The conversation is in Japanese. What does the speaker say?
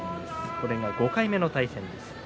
これが５回目の対戦です。